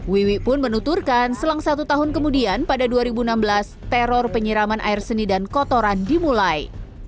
wiwi pun menuturkan selang satu tahun kemudian pada dua ribu enam belas teror penyiraman air seni dan kotoran dimulai